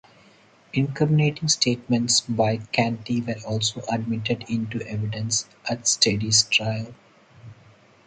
Incriminating statements by Canty were also admitted into evidence at Steady's trial.